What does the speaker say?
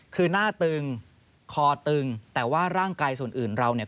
คือหน้าตึงคอตึงแต่ว่าร่างกายส่วนอื่นเราเนี่ย